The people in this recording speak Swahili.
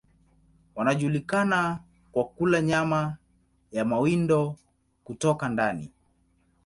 Wanajulikana kwa kula nyama ya mawindo kutoka ndani.